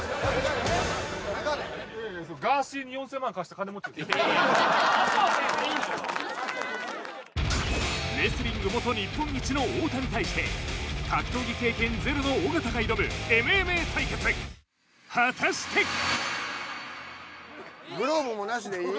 いやいやレスリング元日本一の太田に対して格闘技経験ゼロの尾形が挑むＭＭＡ対決果たしてグローブもなしでいい？